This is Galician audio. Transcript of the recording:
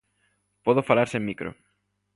Podo falar sen micro.